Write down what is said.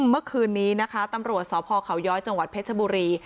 เมื่อคืนนี้นะคะตำรวจสพเขาย้อยจังหวัดเพชรบุรี